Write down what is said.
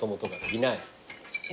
いない。